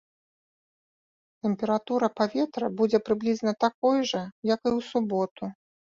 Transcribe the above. Тэмпература паветра будзе прыблізна такой жа, як і ў суботу.